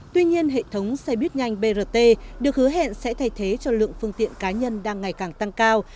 tuy nhiên hệ thống xe buýt nhanh brt được hứa hẹn sẽ thay thế cho lượng phương tiện cá nhân đang ngày càng tăng cao